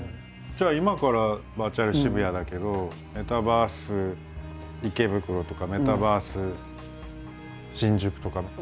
じゃあ今からバーチャル渋谷だけどメタバース池袋とかメタバース新宿とか。